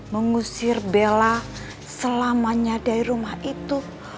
mengusir bella selamanya dari rumah itu